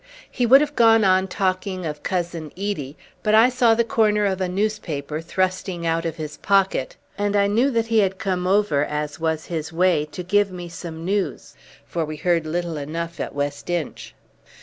He would have gone on talking of Cousin Edie, but I saw the corner of a newspaper thrusting out of his pocket, and I knew that he had come over, as was his way, to give me some news, for we heard little enough at West Inch.